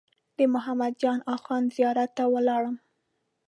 د ملا محمد جان اخوند زیارت ته ولاړم.